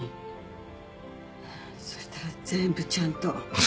そしたら全部ちゃんと。